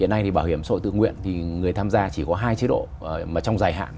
hiện nay thì bảo hiểm sổ tư nguyện thì người tham gia chỉ có hai chế độ mà trong dài hạn